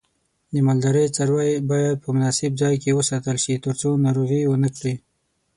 د مالدارۍ څاروی باید په مناسب ځای کې وساتل شي ترڅو ناروغي ونه کړي.